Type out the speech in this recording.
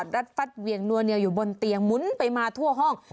รัดฟัดเหวี่ยงนัวเนียอยู่บนเตียงหมุนไปมาทั่วห้อง